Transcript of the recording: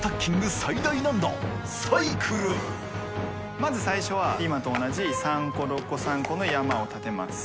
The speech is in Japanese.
まず最初は今と同じ３個６個３個の山を立てます。